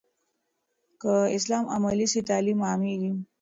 که اسلام عملي سي، تعلیم عامېږي.